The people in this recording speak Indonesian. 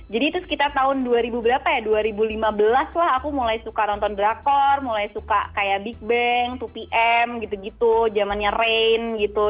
jadi itu sekitar tahun dua ribu berapa ya dua ribu lima belas lah aku mulai suka nonton drakor mulai suka kayak big bang dua pm gitu gitu zamannya rain gitu